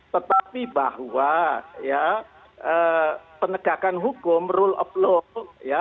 tetapi bahwa ya penegakan hukum rule of law